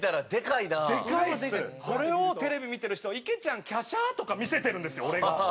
これをテレビ見てる人は「池ちゃん華奢」とか見せてるんですよ俺が。